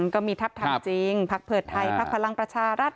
ก็มีทัพทำจริงพักเผิดไทยพักพลังประชารัฐ